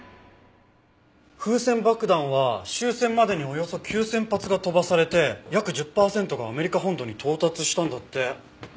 風船爆弾は終戦までにおよそ９０００発が飛ばされて約１０パーセントがアメリカ本土に到達したんだって。